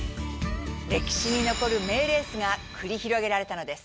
歴史に残る名レースが繰り広げられたのです。